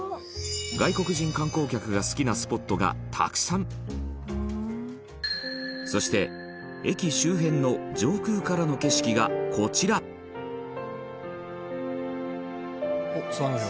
外国人観光客が好きなスポットが、たくさんそして、駅周辺の上空からの景色が、こちら石原：おっ、津和野城。